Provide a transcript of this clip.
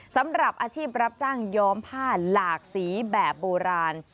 สำหรับอาชีพรับจ้างย้อมผ้าหลากสีแบบโบราณ